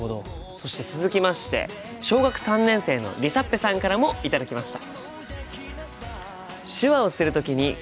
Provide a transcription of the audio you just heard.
そして続きまして小学３年生のりさっぺさんからも頂きました。